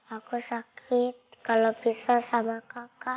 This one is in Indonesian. aku sakit kalau bisa sama kakak